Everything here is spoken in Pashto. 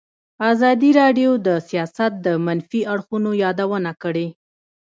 ازادي راډیو د سیاست د منفي اړخونو یادونه کړې.